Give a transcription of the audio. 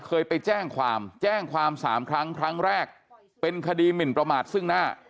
เคยไปแจ้งความแจ้งความ๓ครั้งครั้งแรกเป็นคดีหมินประมาทซึ่งหน้า